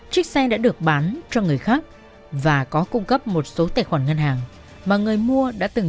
chiếc xe đã được bán cho người khác và có cung cấp một số tài khoản ngân hàng mà người mua đã từng